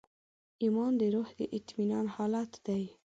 ایمان د روح د اطمینان حالت دی.